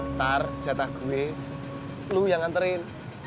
ntar jatah gue lu yang nganterin